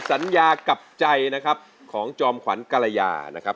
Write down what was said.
สัญญากับใจนะครับของจอมขวัญกรยานะครับ